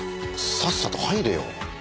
さっさと入れよ。